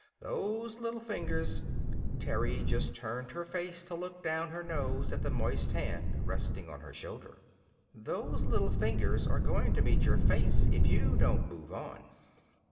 Those little fingers " Terry just turned her head to look down her nose at the moist hand resting on her shoulder. "Those little fingers are going to meet your face if you don't move on."